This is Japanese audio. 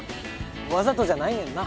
わざとじゃないねんな？